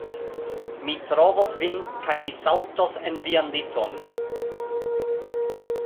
Mi trovos vin kaj mi saltos en vian liton